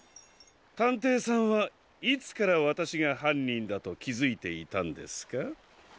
たんていさんはいつからわたしがはんにんだときづいていたんですか？